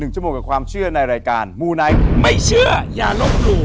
๑ชั่วโมงกับความเชื่อในรายการมูไนต์